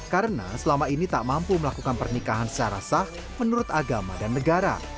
karena selama ini tak mampu melakukan pernikahan secara sah menurut agama dan negara